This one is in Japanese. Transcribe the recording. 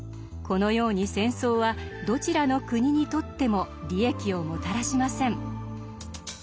このように戦争はどちらの国にとっても利益をもたらしません。